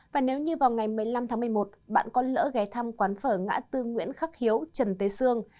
và nếu như vào ngày một mươi năm tháng một mươi một bạn con lỡ ghé thăm quán phở ngã tư nguyễn khắc hiếu trần tế sương